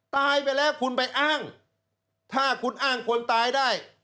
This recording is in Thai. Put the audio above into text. ตายไปแล้วคุณไปอ้างถ้าคุณอ้างคนตายได้